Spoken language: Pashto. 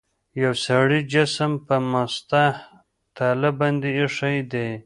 یو سړي جسم په مسطح تله باندې ایښي دي.